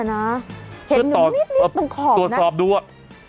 เห็นหนึ่งนิดตรงขอบนั้นตรวจสอบดูอ่ะ